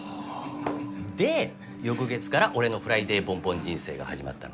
で翌月から俺の「フライデーボンボン」人生が始まったの。